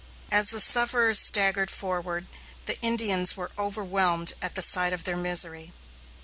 As the sufferers staggered forward, the Indians were overwhelmed at sight of their misery.